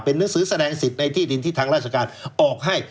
หนังสือแสดงสิทธิ์ในที่ดินที่ทางราชการออกให้